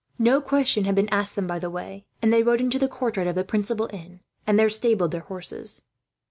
No questions had been asked them by the way, and they rode into the courtyard of the principal inn, and there stabled their horses.